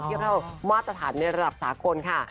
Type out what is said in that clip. เที่ยวเท่ามาตรฐานในระดับสาขนค่ะ